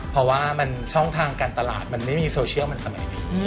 เพราะว่ามันช่องทางการตลาดมันไม่มีโซเชียลมันสมัยนี้